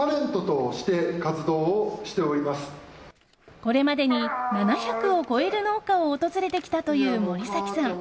これまでに７００を超える農家を訪れてきたという森崎さん。